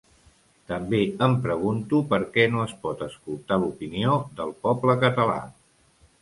També em pregunto per què no es pot escoltar l’opinió del poble català.